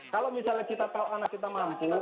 kalau misalnya kita tahu anak kita mampu